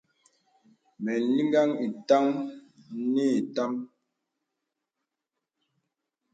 Mə liŋhəŋ itām ni itām.